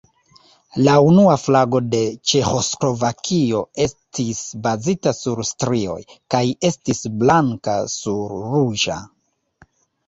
La unua flago de Ĉeĥoslovakio estis bazita sur strioj, kaj estis blanka sur ruĝa.